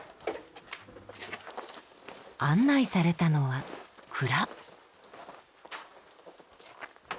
案内されたのは蔵。